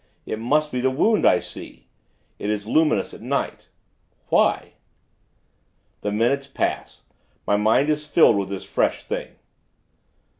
It must be the wound I see. It is luminous at night Why? The minutes pass. My mind is filled with this fresh thing....